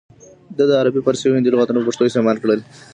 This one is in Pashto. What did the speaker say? ده د عربي، فارسي او هندي لغاتونه په پښتو استعمال کړل